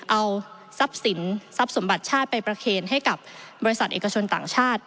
เอาทรัพย์สินทรัพย์สมบัติชาติไปประเคนให้กับบริษัทเอกชนต่างชาติ